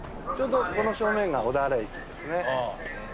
ちょうどこの正面が小田原駅ですね。